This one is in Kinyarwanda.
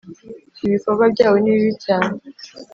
Ibikorwa byabo ni bibi cyane